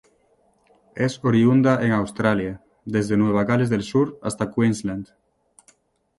Es oriunda en Australia, desde Nueva Gales del Sur hasta Queensland.